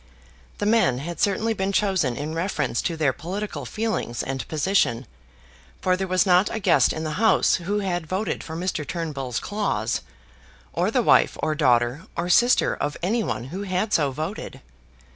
The men had certainly been chosen in reference to their political feelings and position, for there was not a guest in the house who had voted for Mr. Turnbull's clause, or the wife or daughter, or sister of any one who had so voted.